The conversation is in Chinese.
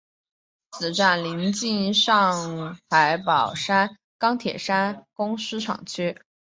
此站邻近上海宝山钢铁公司厂区。